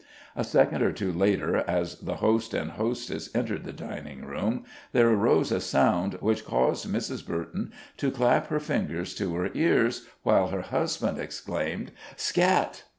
A second or two later, as the host and hostess entered the dining room, there arose a sound which caused Mrs. Burton to clap her fingers to her ears, while her husband exclaimed: '"Scat!"